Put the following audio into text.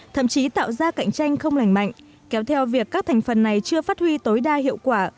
thậm chí tạo ra cạnh tranh không lành mạnh kéo theo việc các thành phần này chưa phát huy tối đa hiệu quả